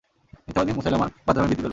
মিথ্যাবাদী মুসায়লামার বাঁদরামি বৃদ্ধি পেল।